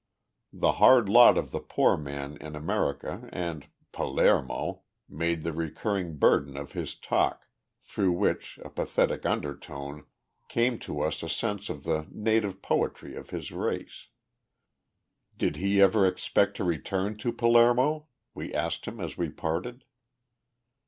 The hard lot of the poor man in America, and "Pal aer mo," made the recurring burden of his talk, through which, a pathetic undertone, came to us a sense of the native poetry of his race. Did he ever expect to return to Palermo? we asked him as we parted.